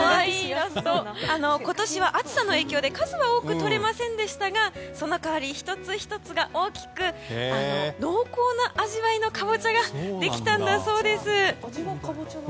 今年は暑さの影響で数は多く取れませんでしたがその代わり、１つ１つが大きく濃厚な味わいのカボチャができたそうです。